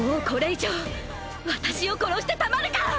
これ以上私を殺してたまるか！！